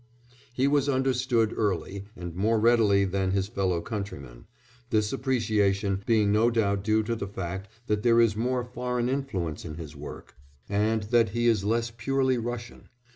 He was understood earlier and more readily than his fellow countrymen, this appreciation being no doubt due to the fact that there is more foreign influence in his work, and that he is less purely Russian.